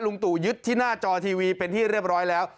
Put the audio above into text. ตู่ยึดที่หน้าจอทีวีเป็นที่เรียบร้อยแล้ว